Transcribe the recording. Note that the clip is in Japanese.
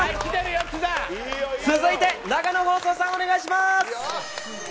続いて長野放送さんお願いします。